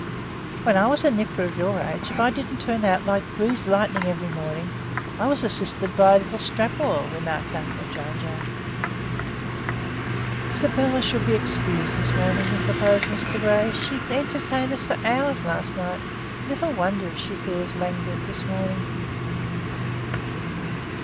"When I was a nipper of your age, if I didn't turn out like greased lightning every morning, I was assisted by a little strap oil," remarked uncle Jay Jay. "Sybylla should be excused this morning," interposed Mr Grey. "She entertained us for hours last night. Little wonder if she feels languid this morning."